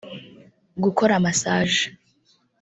Gukora massage